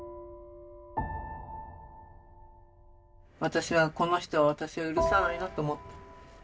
私はこの人は私を許さないなと思った。